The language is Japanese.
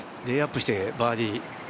レイアップしてバーディー。